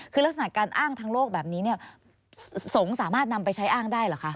คือลักษณะการอ้างทางโลกแบบนี้เนี่ยสงฆ์สามารถนำไปใช้อ้างได้เหรอคะ